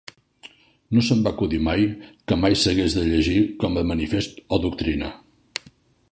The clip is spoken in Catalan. No se'm va acudir mai que mai s'hagués de llegir com a manifest o doctrina.